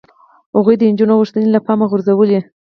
هغوی د نجونو غوښتنې له پامه غورځولې.